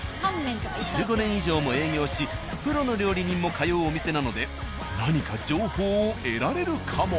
１５年以上も営業しプロの料理人も通うお店なので何か情報を得られるかも。